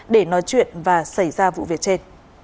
để nói chuyện và xảy ra vụ việc trên